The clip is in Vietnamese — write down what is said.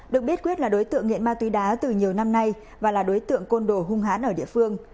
được biết quyết là đối tượng nghiện ma túy đá từ nhiều năm nay và là đối tượng côn đồ hung hán ở địa phương